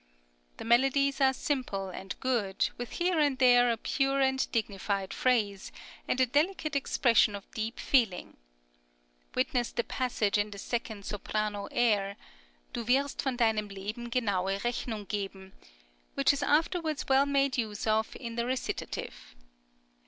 The melodies are simple and good, with here and there a pure and dignified phrase, and a delicate expression of deep feeling. Witness the passage in the second soprano air, "Du wirst von deinem Leben genaue Rechnung geben," which is afterwards well made use of in the recitative.